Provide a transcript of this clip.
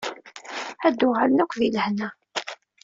Ad d-uɣalen akk di lehna.